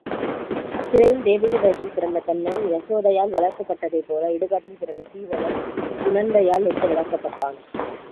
சிறையில் தேவகி வயிற்றில் பிறந்த கண்ணன் யசோதையால் வளர்க்கப்பட்டதைப் போல இடுகாட்டில் பிறந்த சீவகன் சுநந்தையால் எடுத்து வளர்க்கப்பட்டான்.